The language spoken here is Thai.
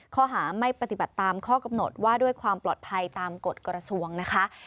ข้อหาไม่ปฏิบัติตามข้อกำหนดว่าด้วยความปลอดภัยตามกฎกระทรวงนะคะ